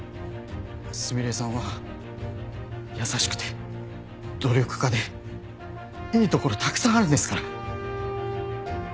すみれさんは優しくて努力家でいいところたくさんあるんですから。